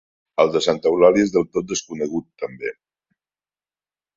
El de Santa Eulàlia és del tot desconegut, també.